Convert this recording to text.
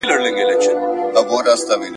او همدغه موزونیت دی `